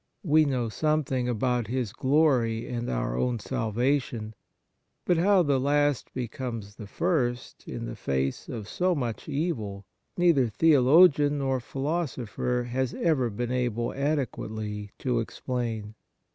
We know something about His glory and our own salvation, but how the last be comes the first in the face of so much evil neither theologian nor philosopher has ever been able adequately to explain.